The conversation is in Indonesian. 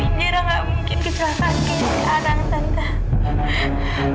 indira nggak mungkin kecelakaan kayak gini sekarang tante